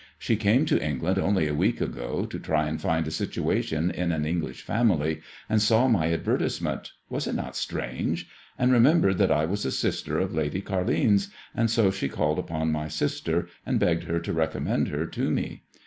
She came to England oaly a week ago, to try and find a situation in an English family, and saw my ad vertisement — ^was it not strange? — and remembered that I was a sister of Lady Carline's, and so she called upon my sister, and begged her to recommend her to me.